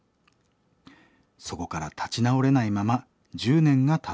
そこから立ち直れないまま１０年がたとうとしています。